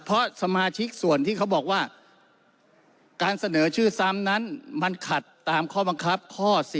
เพราะสมาชิกส่วนที่เขาบอกว่าการเสนอชื่อซ้ำนั้นมันขัดตามข้อบังคับข้อ๔